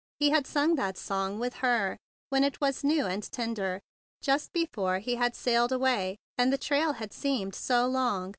He had sung that song with her when it was new and tender, just before he sailed away; and the trail had seemed so long!